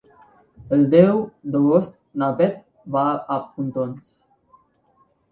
El deu d'agost na Bet va a Pontons.